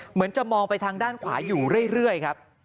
เหมือนจะมองไปทางด้านขวาอยู่เรื่อยครับ